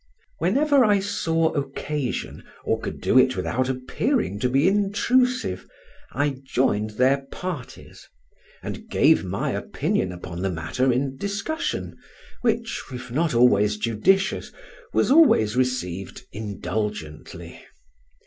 Whenever I saw occasion, or could do it without appearing to be intrusive, I joined their parties, and gave my opinion upon the matter in discussion, which, if not always judicious, was always received indulgently.